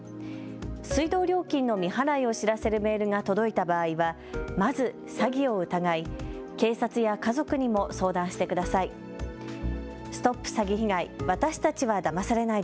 水道料金の未払いを知らせるメールが届いた場合はまずは詐欺を疑い警察や家族にも相談してください。